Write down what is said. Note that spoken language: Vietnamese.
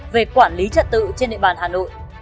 về quản lý trật tự trên địa bàn hà nội